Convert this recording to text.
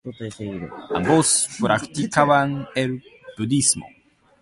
Ambos practicaban el budismo.